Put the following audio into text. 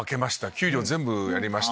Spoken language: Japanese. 給料全部やりました！